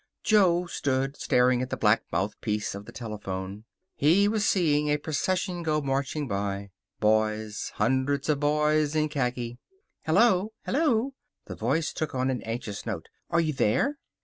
Jo stood staring at the black mouthpiece of the telephone. He was seeing a procession go marching by. Boys, hundreds of boys, in khaki. "Hello! Hello!" The voice took on an anxious note. "Are you there?"